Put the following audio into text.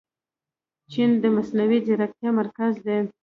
چین د مصنوعي ځیرکتیا مرکز دی.